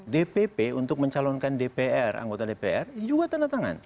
dpp untuk mencalonkan dpr anggota dpr ini juga tanda tangan